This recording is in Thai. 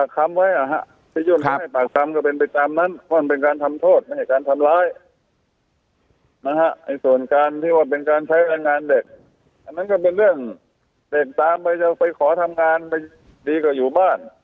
ก็เป็นไปตามที่ให้ปากคำไว้อ่ะครับปากคำก็เป็นไปตาม